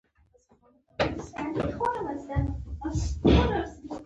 زه چاته رشوت نه شم ورکولای.